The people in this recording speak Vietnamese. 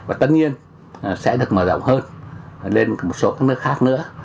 và tất nhiên sẽ được mở rộng hơn lên một số các nước khác nữa